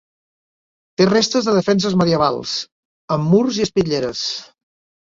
Té restes de defenses medievals, amb murs i espitlleres.